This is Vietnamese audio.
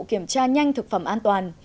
kiểm tra nhanh thực phẩm an toàn